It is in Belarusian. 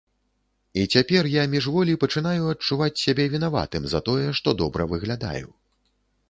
І цяпер я міжволі пачынаю адчуваць сябе вінаватым за тое, што добра выглядаю.